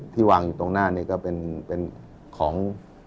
วางอยู่ตรงหน้านี้ก็เป็นของ